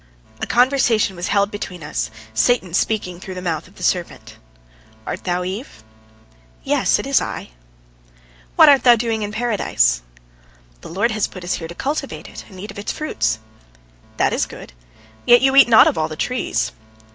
A conversation was held between us, Satan speaking through the mouth of the serpent: "Art thou Eve?" "Yes, it is I." "What art thou doing in Paradise?" "The Lord has put us here to cultivate it and eat of its fruits." "That is good. Yet you eat not of all the trees."